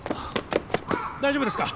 大丈夫ですか？